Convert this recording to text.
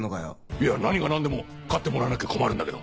いや何が何でも勝ってもらわなきゃ困るんだけど。